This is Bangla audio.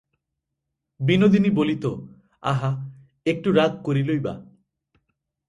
বিনোদিনী বলিত, আহা, একটু রাগ করিলই বা।